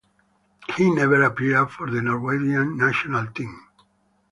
He never appeared for the Norwegian national team.